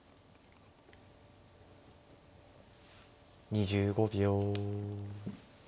２５秒。